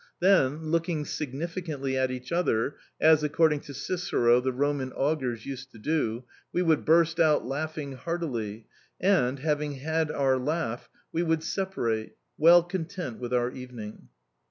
Then, looking significantly at each other as, according to Cicero, the Roman augurs used to do we would burst out laughing heartily and, having had our laugh, we would separate, well content with our evening.